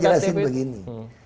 saya jelasin begini